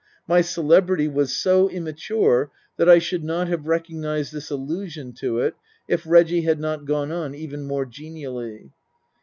My celebrity was so immature that I should not have recognized this allusion to it if Reggie had not gone on even more genially.